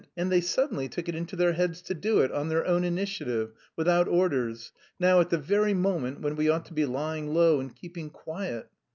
And they suddenly took it into their heads to do it, on their own initiative, without orders, now at the very moment when we ought to be lying low and keeping quiet!